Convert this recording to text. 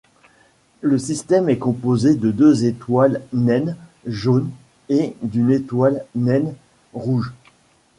Le système est composé de deux étoiles naines jaunes, et d'une étoile naine rouge.